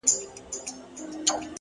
صادق زړه دروند بار نه وړي!